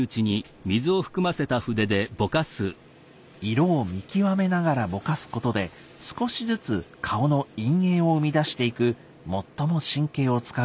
色を見極めながらぼかすことで少しずつ顔の陰影を生み出していく最も神経を使う工程です。